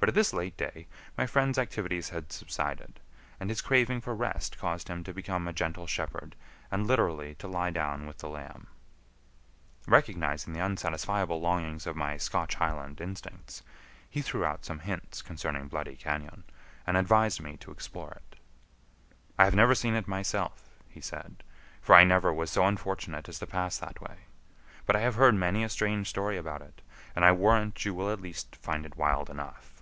But at this late day, my friend's activities had subsided, and his craving for rest caused him to become a gentle shepherd and literally to lie down with the lamb. Recognizing the unsatisfiable longings of my Scotch Highland instincts, he threw out some hints concerning Bloody Cañon, and advised me to explore it. "I have never seen it myself," he said, "for I never was so unfortunate as to pass that way. But I have heard many a strange story about it, and I warrant you will at least find it wild enough."